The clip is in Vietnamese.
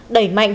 đẩy mạnh công ty